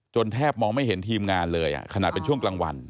แทบมองไม่เห็นทีมงานเลยขนาดเป็นช่วงกลางวัน